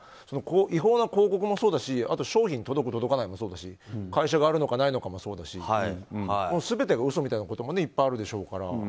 違法広告もそうだし商品が届く、届かないもそうだし会社があるのかないのかもそうだし全てが嘘みたいなこともいっぱいあるでしょうから。